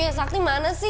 nuki sakti mana sih